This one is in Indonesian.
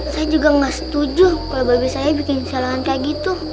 saya juga nggak setuju kalau bapak saya bikin salangan kayak gitu